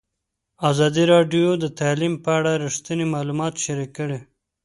ازادي راډیو د تعلیم په اړه رښتیني معلومات شریک کړي.